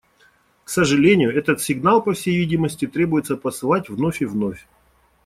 К сожалению, этот сигнал, по всей видимости, требуется посылать вновь и вновь.